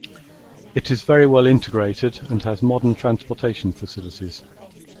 It is very well integrated and has modern transportation facilities.